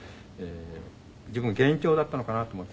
自分の幻聴だったのかな？と思って。